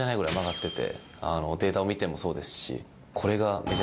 データを見てもそうですしこれが。